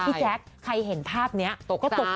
พี่แจ๊คใครเห็นภาพนี้ก็ตกใจ